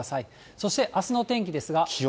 そして、あすの天気ですが。